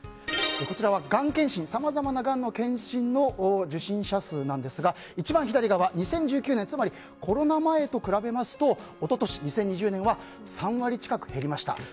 こちらはがん検診さまざまながんの検診の受診者数ですが一番左側、２０１９年、つまりコロナ前と比べますと一昨年２０２０年は３割近く減りました。